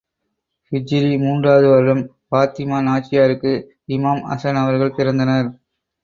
ஹிஜ்ரி மூன்றாவது வருடம், பாத்திமா நாச்சியாருக்கு இமாம் ஹஸன் அவர்கள் பிறந்தனர்.